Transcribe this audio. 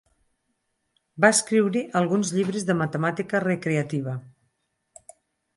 Va escriure alguns llibres de matemàtica recreativa.